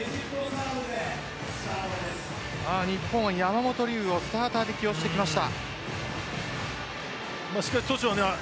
日本は山本龍をスターターで起用してきました。